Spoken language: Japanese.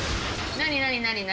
何何？